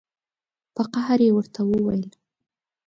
په قهر یې ورته وویل.